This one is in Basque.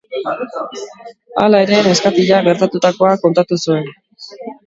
Hala ere, neskatilak gertatutakoa kontatu zuen.